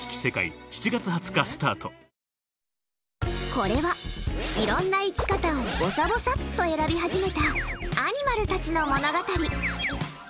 これは、いろんな生き方をぼさぼさっと選び始めたアニマルたちの物語。